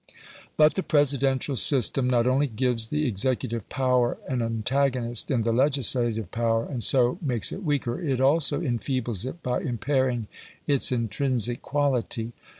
But the Presidential system not only gives the executive power an antagonist in the legislative power, and so makes it weaker; it also enfeebles it by impairing its intrinsic quality.